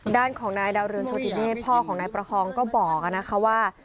ด้านของนายดาวเรืองโชติเนศพ่อของนายประคองก็บอกนะคะว่า